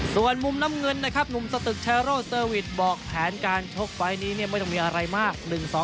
ส่วนมุมน้ำเงินนะครับหนุ่มสตึกชายโรเซอร์วิสบอกแผนการชกไฟล์นี้ไม่ต้องมีอะไรมาก